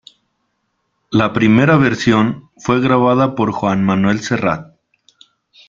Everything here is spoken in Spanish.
La primera versión fue grabada por Joan Manuel Serrat.